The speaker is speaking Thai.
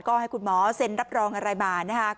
ก็ให้คุณหมอเซ็นรับรองอะไรมา